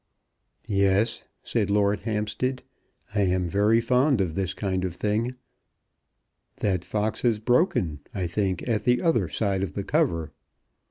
"Yes," said Lord Hampstead, "I am very fond of this kind of thing. That fox has broken, I think, at the other side of the cover."